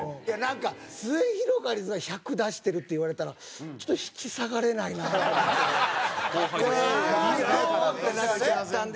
いやなんか「すゑひろがりずが１００出してる」って言われたらちょっと引き下がれないなってなって。